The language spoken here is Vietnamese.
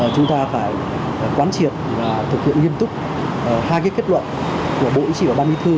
chúng ta phải quán triệt và thực hiện nghiêm túc hai cái kết luận của bộ ý chỉ vào ba mươi thư